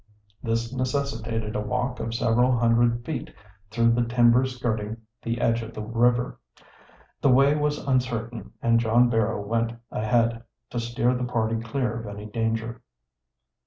This necessitated a walk of several hundred feet through the timber skirting the edge of the river. The way was uncertain, and John Barrow went ahead, to steer the party clear of any danger.